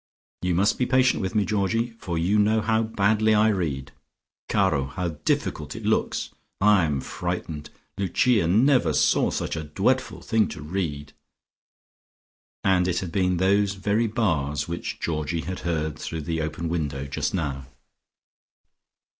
You must be patient with me, Georgie, for you know how badly I read. Caro! How difficult it looks. I am frightened! Lucia never saw such a dwefful thing to read!" And it had been those very bars, which Georgie had heard through the open window just now.